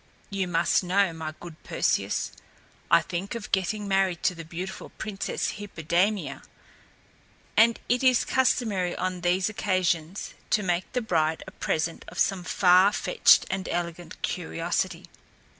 You must know, my good Perseus, I think of getting married to the beautiful Princess Hippodamia, and it is customary on these occasions to make the bride a present of some far fetched and elegant curiosity.